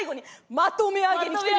まとめ上げに来てる。